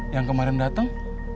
yang kemarin dateng